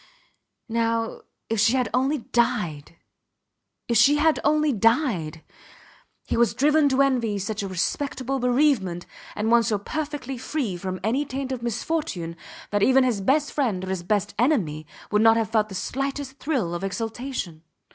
Now if she had only died! If she had only died! He was driven to envy such a respectable bereavement, and one so perfectly free from any taint of misfortune that even his best friend or his best enemy would not have felt the slightest thrill of exultation.